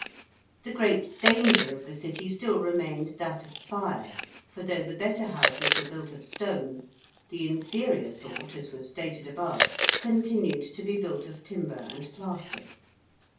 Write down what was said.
The great danger of the City still remained, that of fire, for though the better houses were built of stone, the inferior sort, as was stated above, continued to be built of timber and plaster.